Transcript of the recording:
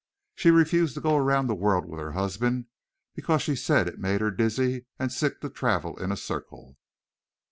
"She refused to go around the world with her husband because she said it made her dizzy and sick to travel in a circle."